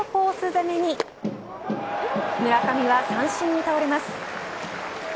攻めに村上は三振に倒れます。